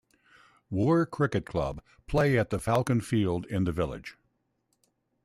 Woore Cricket Club play at the Falcon Field in the village.